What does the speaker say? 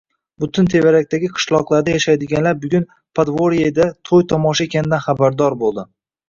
Butun tevarakdagi qishloqlarda yashaydiganlar bugun Podvoryeda toʻy-tomosha ekanidan xabardor boʻldi